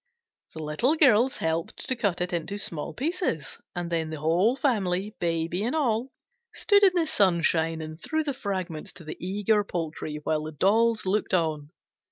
The Little Girls helped to cut it into small pieces, and then the whole family, Baby, and all, stood in the sunshine and threw the fragments to the eager poultry, while the dolls looked on.